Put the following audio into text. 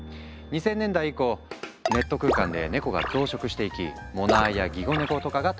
２０００年代以降ネット空間でネコが増殖していき「モナー」や「ギコ猫」とかが誕生。